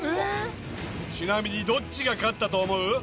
ちなみにどっちが勝ったと思う？